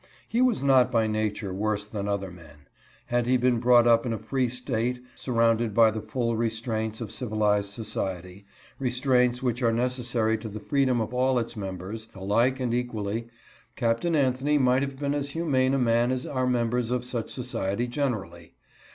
Yet he was not by nature worse than other men. Had he been brought up in a free state, surrounded by the full restraints of civilized society — restraints which are neces sary to the freedom of all its members, alike and equally, Capt. Anthony might have been as humane a man as are members of such society generally.